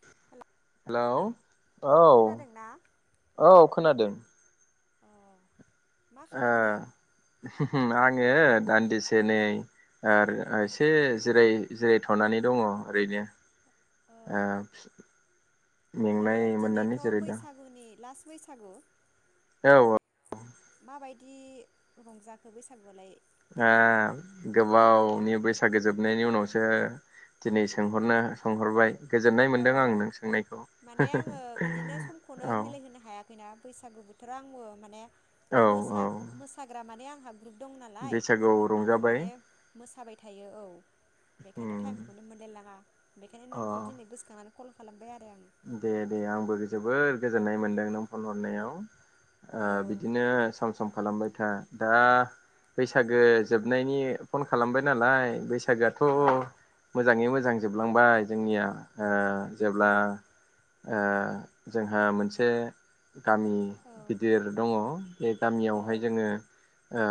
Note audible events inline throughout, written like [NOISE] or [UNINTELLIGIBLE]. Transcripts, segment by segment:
[INAUDIBLE] हेल'। औ खोनादोंना औ खोनादों। अ'। मा आ खालामदों आङो दान्दिसे नै ओ ओ एसे जिराय जिरायथ'नानै दङ ओरैनो। औ ओमफ्रायो मेंनाय दिनैथ' मोननानै जिरायदों। बैसागुनि लास्ट बैसागु औ औ। माबायदि रंजाखो बैसागुआलाय? देग्लायलाय गोबावनि बैसागु फैसागोजोबनायनि उनावसो दिनै सोंहरनो सोंहरबाय गोजोननाय औ मोनदों आं नों सोंनायखौ माने औ जखैना बैसागु बोथोराव आंबो माने औ औ मोसाग्रा माने आं ग्रुप दं नालाय बैसागुआव आङो रंजाबाय माने मोसाबाय थायो औ उम बेखायनो टाइमखौनो मोनलायलाङा बेखायनो अ नोंखौ दिनै गोसो कल खालामबाय आरो आं दे दे आंबो जोबोद गोजोननाय मोनदों नों फन हरनायाव आं बिदिनो सम सम खालामबाय आथा दा बैसागो जोबनायनि फन खालामबाय नालाय बैसागोआथ' औ मोजाङै मोजां मोजां जोबलांबाय जोंनिया औ जेब्ला जोंहा मोनसे गामि औ गिदिर दङ बे औ गामियावहाय जोङो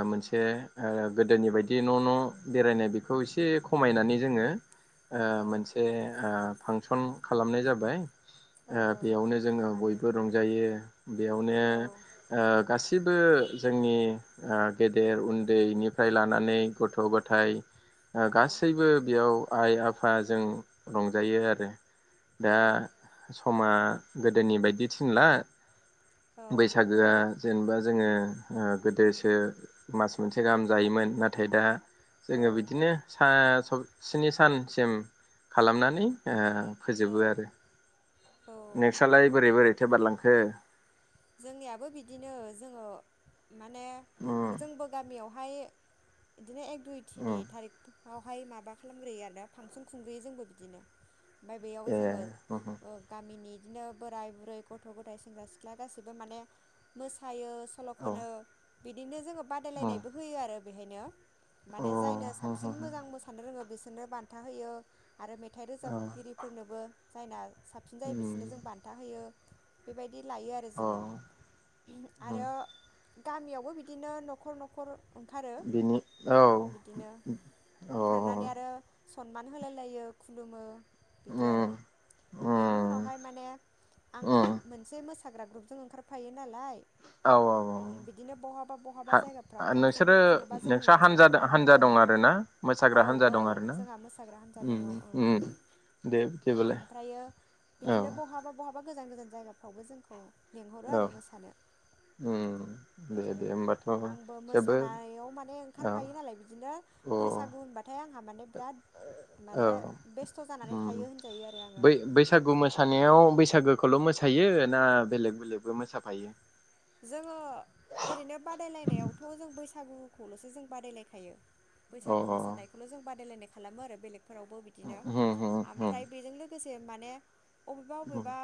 मोनसे गोदोनि बायदि न' न' बेरायनाय बेखौ एसे खमायनानै जोङो औ मोनसे फांसन खालामनाय जाबाय औ ओ औ बेयावनो जोङो मोजाङानो बयबो रंजायो बेयावनो औ ओ गासैबो गासिबो जोंनि ओ गेदेर उन्दैनिफ्राय लानानै गथ' गथाय ओ औ गासैबो बेयाव आइ आफ जों रंजायो आरो दा समा गोदोनि बायदि थिनला औ बैसागोआ जेनेबा जोङो गोदोसो मास मोनसे गाहाम जायोमोन नाथाय दा औ जोङो बिदिनो सा स्नि सानसिम खालामनानै फोजोबो आरो औ नोंसालाय बोरै बोरैथो बारलांखो? जोंनियाबो बिदिनो जोङो माने उम जोंबो गामियाव हाय बिदिनो एक दुइ थिनि उम थारिख फ्राव बहाय माबा खालामग्रोयो आरोना फांसन खुंग्रोयो जोंबो बिदिनो ओमफाय ए बेयावबो जोङो उम ओ गामिनि बिदिनो बोराय बुरै गथ' गथाय सेंग्रा सिख्ला गासिबो माने मोसायो औ सल'ख'नो बिदिनो जोङो उम अ बादायलायनायबो होयो आरो बेहायनो माने जायनो उम साबसिन उम मोजां मोसानो रोङो बेस नो बान्था होयो। आरो मेथाइ रोजाबगिरिफोरनोबो जायना साबसिन जायो बिसोरनो जों बान्था होयो। बेबायदि लायो आरो औ उम औ जोङो उम आरो गामियावबो बिदिनो न'खर न'खर ओंखारो बिनि औ बिदिनो औ उम ओंखारनानै आरो सनमान होलाय लायो खुलुमो। बिदि आरो उम बेनि उम उनावहाय माने आं औ मो मोनसे मोस साग्रा ग्रुप जों ओंखारफायो नालाय औ औ ओम बिदिनो बहाबा बहाबा हा जायगाफोराव फांसन नोंसोरो खुङोबा जोंनि नोंस्रा हानजा मोसिनायखौ लिंहरो हानजा दं आरो ना औ मोसाग्रा हानजा दं औ आरो ना जोंहा मोसाग्रा हानजा दङ' उम औ उम दे बिदिबालाय आमफ्रायो औ बिदिनो बहाबा बहाबा गोजान गोजान जायगाफ्रावबो जोंखौ लिंहरो औ आरो मोसानो उम दे दे बिदिनो होमबाथ' आंबो जोबोद मोसानायाव माने औ ओंखारफायो नालाय बिदिनो बैसागु होनबाथाय आंहा माने बिराद [UNINTELLIGIBLE] औै माने बेस्थ' जानानै उम थायो होनजायो आरो आङो बै बैसागु मोसानायाव बैसागो खौल' मोसायो ना बेलेग बेलेगबो मोसाफायो? जोङो ओरैनो बादायलायनायावथ' जों बैस सागुखौल'सो जों बादायलायखायो। अ बैसागु मोसानायखौल' जों बादायलायनाय खालामो आरो बेलेग फोरावबो बिदिनो होम होम होम आमफ्राय बेजों लोगोस [UNINTELLIGIBLE] माने अबेबा होम अबेबा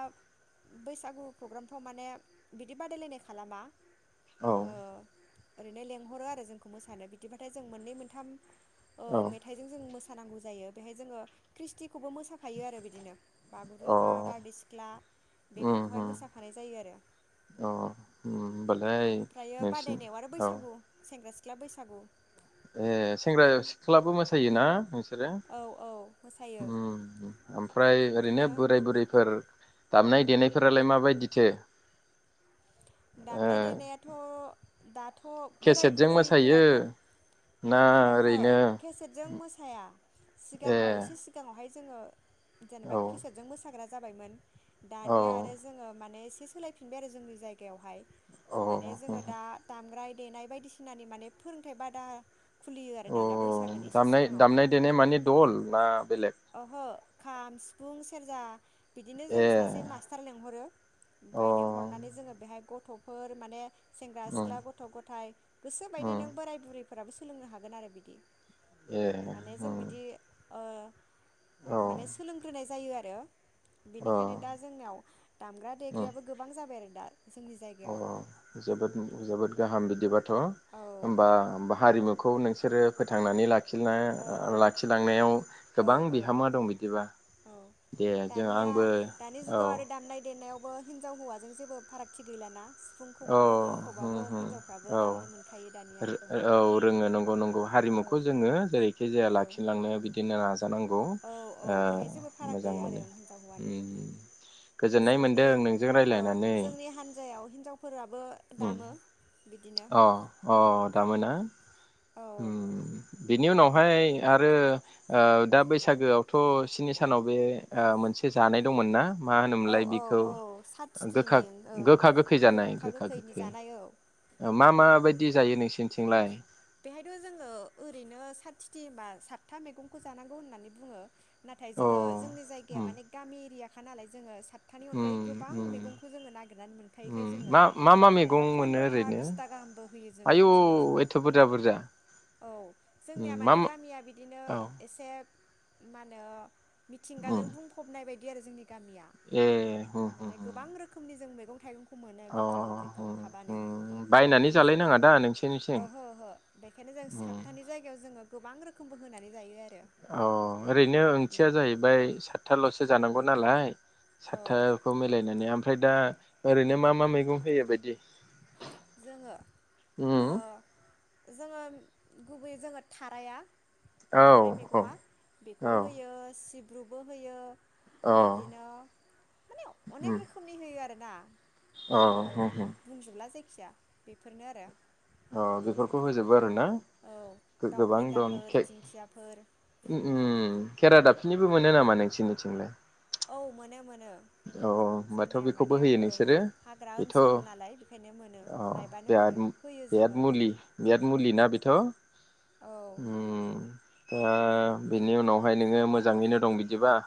बैसागु प्रग्रामथाव माने बिदि बादायलायनायख खालामा औ ओ ओरैनो लेंहरो आरो जोंखौ मोसानो बिदिबाथाय जों मोननै मोनथाम औ अ मेथाइजों जों मो मोसानांगौ जायो बेहाय जोङो ख्रीष्टि खौबो मोसाफायो आरो बिदिनो बागुरुम्बा अ बारदै सिख्ला उम बेफोरखौहाय उम मोसाफानाय जायो आरो अ होमबालाय ओमफ्रायो नोंसिनि बादायनायाव आरो औ बैसागु सेंग्रा सिख्ला बैसागु ए सेंग्रा सिख्लाबो मोसायोना नों बिसोरो औ औ मोसायो उम ओमफ्राय ओरैनो बिदिनो बोराय बुरैफोर दामनाय देनायफोरालाय मा बादिथो? दामनाय देनायाथ' दा थ' बोराय केसेटजों मोसायो बुरैफोराथ' ना ओहो ओरैनो केसेटजों मोसाया ए सिगाङाव एसे सिगाङावहाय जोंङो जेनेबा औ खिसेटजों मोसाग्रा जाबायमोन दानिया औ आरो जोंङो माने बे सोलायफिनबाय आरो जोंनि जाया बेवहाय माने औ जोंङो दा दामग्रा देनाय बायदिसिनानि माने फोरोंथाइ बादा खुलियो आरो अ दाना बैसागोनि एसे दामनाय सिगाङाव दामनाय देनाय मानिे दल ना बेलेग ओहो खाम सिफुं सेरजा बिदिनो ए जों सासे अ मास्टार लिंहरो ओमफफ्राय लेंंहरनानै जोङो गथ'फोर माने सेंग्रा उम सिख्ला गथ' गथाय गोसोबायदि उम नों बोराय बुरै फोराबो सोलोंनो हागोन आरो बिदि ए औ औ माने सोलोंग्रोनाय जायो आरो आरो अ बेनिखायनो दा जोंनियाव दामग्रा उम देग्रायाबो गोबां जाबाय आरो दा जोंनि अ जायगायाव जोबोद जोबोद गाहाम हो औ होनबा हारिमु खौ नोंसोरो फोथांनानै लाखि ना औ लाख थलांनायाव औ गोबां औ बिहोमा दं बि बिदिबा औ दे जों दानिया आंबो दानि औ जुगाव आरो दामनाय देनायावबो हिनजावौवाजों जेबो फारागथि गैलााना? औ औ दामनो मोनखायो दानिया औ रोङो नंगौ नंगौ। औ हारिमुखौ जोङो जेरैखि जाया औ लाखिलांनायाव बिदिनो नाजायो। जानांगौ औ औ बेहाय जेबो फाराग मोजां गैया आरो मोनो हिनजाव हौवानि गोजोननाय मोन्दों जोंनि नोंजों रायजलायनानै। फोराब बो दामो। बिदिनो अ अ दामोना? औ ओम बेनि उनावहाय आरो ओ दा बैसागोआवथ' स्नि सानाव बे मोनसे ओ जानाय दंमोन ना? मा औ होनोमोनलाय औ बेखौ औ गोखा साथिथिनि ओं गोखा गोखै गोखा गोखैनि जानाय औ ओ मा माबायदि जायो नोंसोरनिथिंलाय? बेहायथ' जोङो ओरैनो साथिथि होनबा सातथा मैगंखौ जानांगौ होननानै बुङो। नाथाय अ जोङो जोंनि जायगाया उम माने गामि एरिया खा नालाय जोङो साथ थानि अनगायै उम गोबां उम मैगंखौ जोङो नागिरनानै मोनखायोखाय उम जोङो मा मा मा मैगं मालाबा मोनो फन्द्रथा ओरैनो बिसथा गाहामबो होयो जोङो आयौ बिदिनो। एथ' बुरजा बुरजा औ उम जोंनिया मा माने मा गामिया बिदिनो औ एसे मानो? उम मिथिंगाजों बुंफबनाय बायद दि आरो जोंनि गामिया ए उम उम माने उम गोबां रोखोमनि जों मै गं थाइगं खौ मोनो अ गोखा गोखैखौ उम खाबानो उम बायनानै बेखायनो जोङो जालायनाङा दा नोंसोरनिथिं ओहो बेखायनो जों उम सातथानि जायगायाव जोङो गोबां रोखोमबो होनानै जायो आरो। अ ओरैनो ओंथिया बिदिनो जाहैबाय सातथाल'सो जानांगौ नालाय औ सातथाखौ मिलायनानै आम फ्राय दा ओरैनो मा मा मैगं होयो बायदि? जोङो उम ओ जोङो गुबैयै जोङो थाराया औ थाराय औ मैगंआ औ बेखौबो होयो सिब ब्रुबो होयो अ बिदिनो माने अनेक उम रोखोमनि होयो आरो ना अ आङो उम उम बुंजोबला जायख खि जाया बेफोरनो आरो। अ बेफोरखौ होजोबो आरो ना औ दाउ गो-गोबां दं फेन्दाफोर के दिंखियाफोर उम उम खेरादाफिनिबो मोनो नामा नोंसिनिथिंलाय? औ मोनो मोनो औ होमबाथ' जोंनिया बेखौबो माने होयो ओं नोंसोरो हाग्रा बेथ' औ ओनसोल नालाय बेखायनो मोनो लायबानो मोनो हो बेयाद मुलि बेयाद मुलि ना बेथ'? औ उम दा बेनि उनावहाय नोंङो मोजांङैनो दं बिदिबा?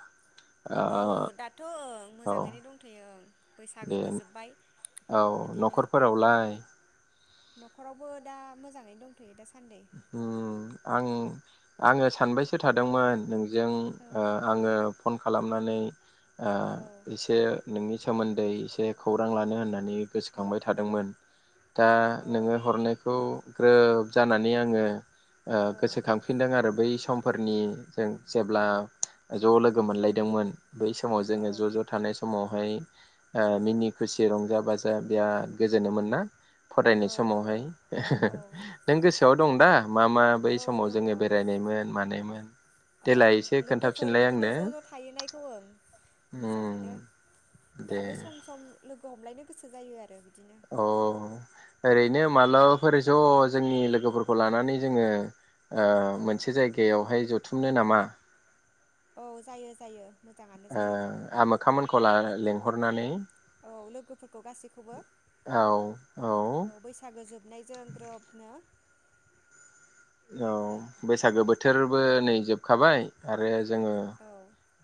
ओ औ दाथ' ओं। औ मोजांङैनो दंथ'यो। ओं दे बैसागोबो जोब्बाय। औ बिदिनो न'खरफोरावलाय न'खरावबो दा मोजांङैनो दंथयो दासान्दि आंङो सानबायसो थादोंमोन नों जों औ ओ आंङो फन खालामनानै ओ‌ औ एसे नोंनि सोमोन्दै एसे खौरां लानो होननानै औ गोसोखांबाय थादोंमोन दा औ नोंङो हरनायखौ ग्रोब जाना नै आंङो ओ औ गोसोखांफिनदों आरो बै सम फोरनि जों जेब्ला ज' लोगो मोनलायदोंमोन बै समाव औ जोङो जज थानाय समावहाय ओ औ मिनि खुसि रंजा बा-जा बिराद गोजोनोमोनो ना? फरायनाय औ समावहाय औ औ नों गोसो दं दा मा मा बै औ समाव दङ जोङो बेरायनायमोन मानायमोन ओं देेलाय एसे लोगोफोर खोन्थाफिनलाय बिदिनो आंनो ज' ज' थाहैनायखौ ओं मोजां उम मोनो दे दाबो सम सम लोगो हमलायनो गोसो जायो आरो बिदिनो अ ओरैनो मालाबाफोर ज जोंनि लोगोफोरखौ लानानै जोङो ओ औ मोनसे जायगायावहाय ज बुथुमनो नामा? औ जायो जायो। मोजाङानो ओ जायो आमोखा मोनखौ लानानै लेंहरनानै औ लोगोफोरखौ गासैखौबो औ बैसागो जोबनायजों ग्रोबनो औ बैसागो बोथोरबो नै जोबखाबाय आरो जोङो औ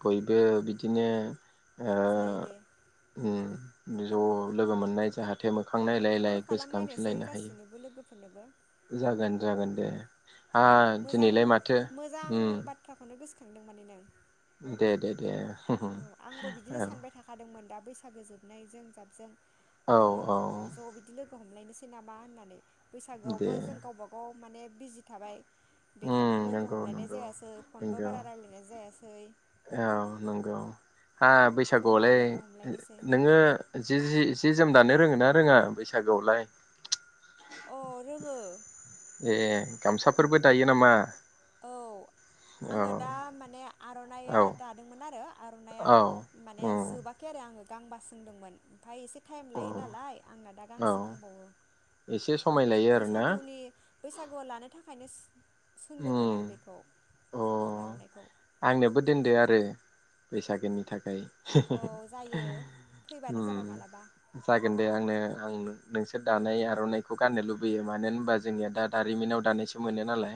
बयबो बिदिनो ओ जायो दे उम ज' लोगो मोननाय जाहा थे मोखां औ नायलायलाय गोसोखांफिनलायनो हायो। फोरनो बो जागोन जागोन दे। आ मोजां दिनैलाय माथो मोजां उम बाथ्राखौनो गोसो खांदों माने नों दे दे दे औ आंबो बिदिनो औ सानबाय थाखादोंमोन। दा बैसागो जोबनायजों जाबजों औ ओ औ ज' बिदि लोगो हमलायनोसै नामा होननानै दे बैसागोआवबो जों गावबा गाव माने बिजि थाबाय। बेखायनो उम लोगो नंगौ हमलायनाय नंगौ जायासै फनबो नंगौ बारा रायलायनाय जायासै औ नंगौ हा जमा बैसागुआवलाय लोगो हमलायनोसै नोङो जिजि जि जोम दानो रोङो ना रोङा बैसागु आवलाय? अ रोङो। ए गामसा फोरबो दायो नामा? औ आङो औ दा माने औ आर'नाइआ दादोंमोन आरो। आर'नाया औ माने उम जोबाखै आरो आङो गांबा सोंदोंमोन ओमफाय एसे टाइम अ लायो नालाय आंना दा औ गांसे दंबावो एसे समाय लायो आरोना बैसागुनि बैसागुआव लानो थाखायनो सोंदोंमोन आं उम बेखौ अ आर'नाइखौ आंनोबो दोनदो आरो। बैसागोनि थाखाय। हे हे औ हे जायो फैबानो जाबाय उम मालाबा जागोन दे आंनो आं नोंसोर दानाय आर'नाइखौ गाननो लुबैयो मानो होनबा जोंनिया दा दारिमिनाव दानायसो मोनो नालाय।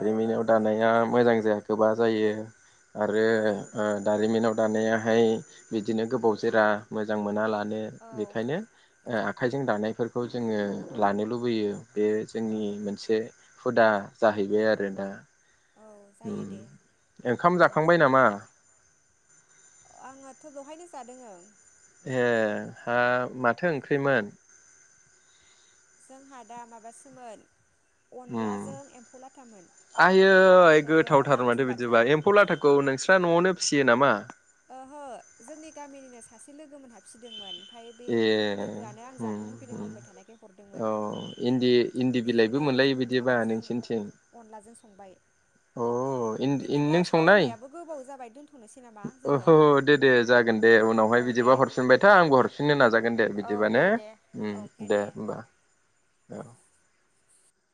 औ औ दानाया मोजां गोबा जायो आरो औ ओ दारिमिनाव दानायाहाय बिदिनो गोबाव जोरा मोजां मोना लान नो औ बेखायनो आखाइजों दानाय फोरखौ जोङो लानो लुबैयो। बेयो औ जोंनि मोनसे हुदा जाहैबाय आरोना। औ जायो उम दे ओंखाम उम जाखांबाय नामा? आंहाथ' दहायनो जादोंं ओ। ए हा माथो ओंख्रै मोन? जोंहा आदा माबा सोमोन उम आइयै ओमफ्रायो गोथाव थार नाथुर माथो बिदिबा बाथोन एम्फौ लाथाखौ नोंसि फ्रा न'आवनो फियो नामा? ओहो जोंनि गामिनिनो सासे लोगो मोनहा फिदोंमोन। ओमफ्राय बे ए लोगो आनो आं उम जानो लुगैदों उम होनबाय थानायखाय हरदों मोन औ इन्दि इन्दि बिलाइबो बेखौनो मोनलायो बिदिबा माबाजों नोंसिनिथिं अनलाजों संबाय अ इन बिदिब्ला नों सावरायनायाबो गोबाव जाबाय दोन्थ'नोसै नामा? जोङो अह दे दे जागोन दे उनाव औ हाय दे बिदिबा हर फिनबाय था आंबो हरफिन फिननो नाजागोन दे औ बिदिबा दे ने दे ओम दे होमबा। औ